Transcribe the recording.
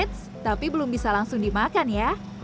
eits tapi belum bisa langsung dimakan ya